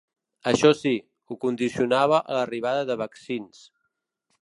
Això sí, ho condicionava a l’arribada de vaccins.